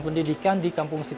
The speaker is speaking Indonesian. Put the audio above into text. selain memerlukan penempatanellaan